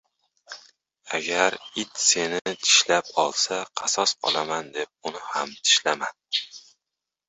• Agar it seni tishlab olsa, qasos olaman deb sen ham uni tishlama.